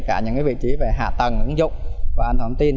cả những vị trí về hạ tầng ứng dụng và an toàn thông tin